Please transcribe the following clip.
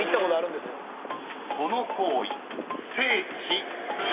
［この行為］